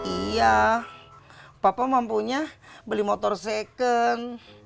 iya papa mampunya beli motor second